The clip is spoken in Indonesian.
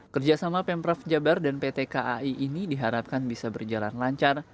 kerjasama pemprov jabar dan pt kai ini diharapkan bisa berjalan lancar